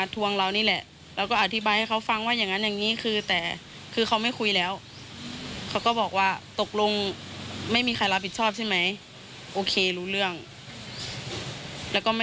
เป็นตามคลิปเลยค่ะ